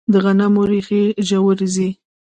د غنمو ریښې ژورې ځي.